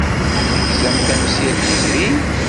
Tegzam tamsirt yezrin?